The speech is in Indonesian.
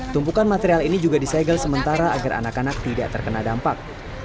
tumpukan material ini juga disegel sementara agar anak anak tidak terkena dampak